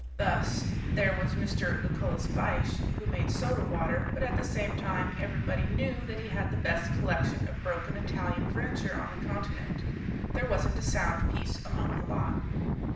Thus, there was Mr. Lucullus Fyshe, who made soda water, but at the same time everybody knew that he had the best collection of broken Italian furniture on the continent; there wasn't a sound piece among the lot.